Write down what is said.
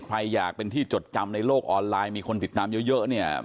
ใครอยากเป็นที่จดจำในโลกออนไลน์มีคนติดตามเยอะเนี่ย